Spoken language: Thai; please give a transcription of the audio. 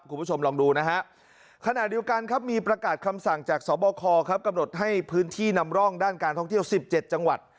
คุณผู้ชมลองดูนะฮะขณะเดียวกันครับมีประกาศคำสั่งจากสบคครับกำหนดให้พื้นที่นำร่องด้านการท่องเที่ยว๑๗จังหวัด